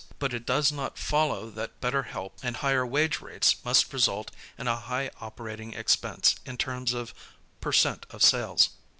But it does not follow that better help and higher wage rates must result in a high operating expense in terms of per cent of sales.